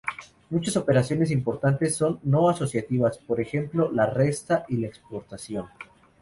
Muchas operaciones importantes son "no asociativas," por ejemplo la resta y la exponenciación.